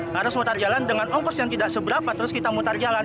harus mutar jalan dengan ongkos yang tidak seberapa terus kita mutar jalan